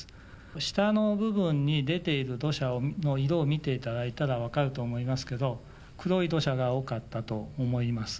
下の部分に出ている土砂の色を見ていただいたら分かると思いますけど、黒い土砂が多かったと思います。